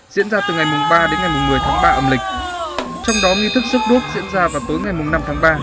diễn ra từ ngày ba đến ngày một mươi tháng ba âm lịch trong đó nghi thức rước đuốc diễn ra vào tối ngày năm tháng ba